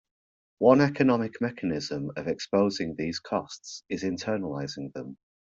One economic mechanism of exposing these costs is internalizing them.